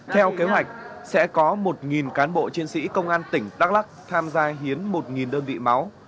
theo kế hoạch sẽ có một cán bộ chiến sĩ công an tỉnh đắk lắc tham gia hiến một đơn vị máu